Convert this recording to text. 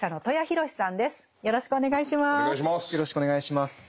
よろしくお願いします。